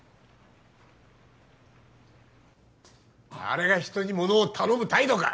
あれが人にものを頼む態度か！